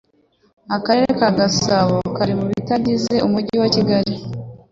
akarere ka gasabo kari mutugize umujyi wa kigali